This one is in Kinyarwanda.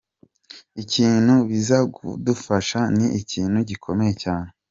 Ikintu biza kudufasha ni ikintu gikomeye cyane.